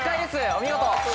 お見事。